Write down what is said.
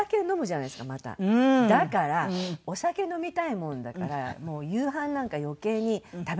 だからお酒飲みたいもんだからもう夕飯なんか余計に食べなくなっちゃって。